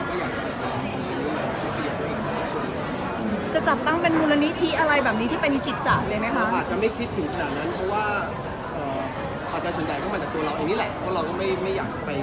เหลือส่วนตัวเราเองจะอยากให้ไม่ขายความปัญญา